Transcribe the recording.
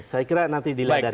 saya kira nanti dilihat dari atas